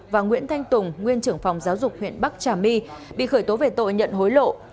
và nguyễn thanh tùng nguyên trưởng phòng giáo dục huyện bắc trà my bị khởi tố về tội nhận hối lộ